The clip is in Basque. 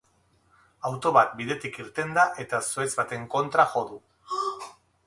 Auto bat bidetik irten da eta zuhaitz baten kontra jo du.